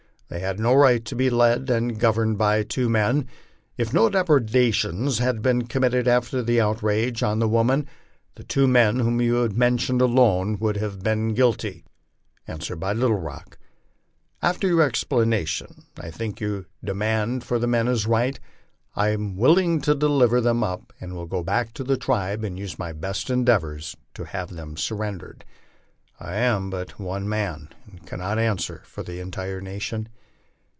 They had no right to be led and governed by two men. If no depredations had been committed after the outrage on the woman, the two men whom you have mentioned alone would have been guilty." Answer by Little Rock :" After your explanation, I think your demand for the men is right. I am willing to deliver them up, and will go back to the tribe and use my best endeavors to have them surrendered. I am but one man, and cannot answer for the entire nation."